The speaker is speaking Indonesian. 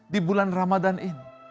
di bulan ramadan ini